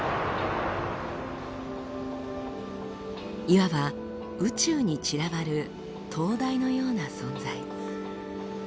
いわば宇宙に散らばる灯台のような存在。